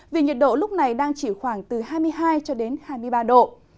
vì nhiệt độ lúc này đang chỉ khoảng từ hai mươi hai hai mươi ba độ